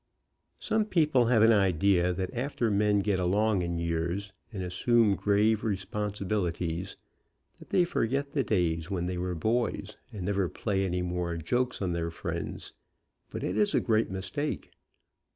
Some people have an idea that after men get along in years, and assume grave responsibilities, that they forget the days when they were boys, and never play any more jokes on their friends, but it is a great mis take.